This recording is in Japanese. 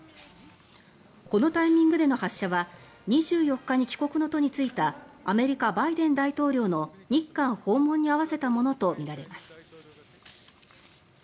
このタイミングでの発射は２４日に帰国の途に就いたアメリカ、バイデン大統領の日韓訪問に合わせたものとみられます。